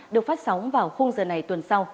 được phát sóng vào khung giờ này tuần sau